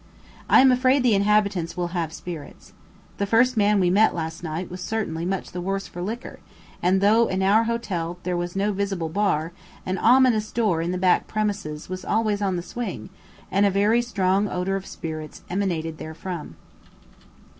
I am afraid the inhabitants will have spirits. The first man we met last night was certainly much the worse for liquor; and though in our hotel there was no visible bar, an ominous door in the back premises was always on the swing, and a very strong odour of spirits emanated therefrom.